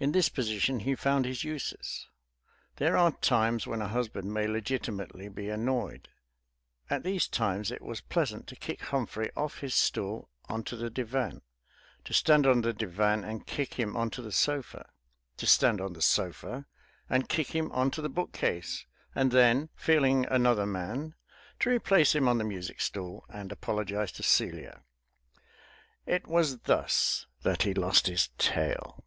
In this position he found his uses. There are times when a husband may legitimately be annoyed; at these times it was pleasant to kick Humphrey off his stool on to the divan, to stand on the divan and kick him on to the sofa, to stand on the sofa and kick him on to the bookcase; and then, feeling another man, to replace him on the music stool and apologize to Celia. It was thus that he lost his tail.